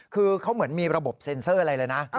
คือเขาเหมือนมีระบบเซ็นเซอร์อะไรเลยนะ